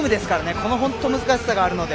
この難しさがあるので。